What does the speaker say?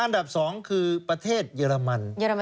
อันดับ๒คือประเทศเยอรมัน